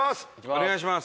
お願いします